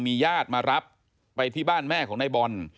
ญาติมารับไปที่บ้านแม่ของนายบอล